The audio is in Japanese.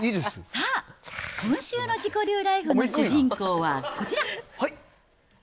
さあ、今週の自己流ライフの主人公はこちら。